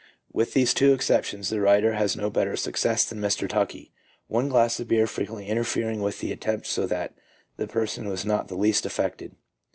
With these two exceptions, the writer has had no better success than Mr. Tuckey, one glass of beer frequently interfering with the attempt so that the person was not the least affected.